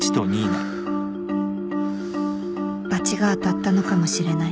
バチがあたったのかもしれない